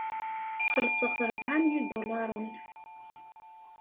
Xellṣeɣ-t ṛebɛa n yidulaṛen.